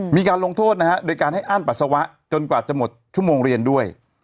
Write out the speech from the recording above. มีการลงโทษนะฮะโดยการให้อั้นปัสสาวะจนกว่าจะหมดชั่วโมงเรียนด้วย